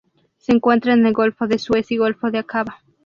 Se encuentran en el Golfo de Suez y Golfo de Aqaba.